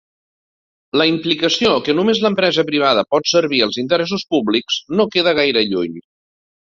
La implicació que només l'empresa privada pot servir els interessos públics no queda gaire lluny.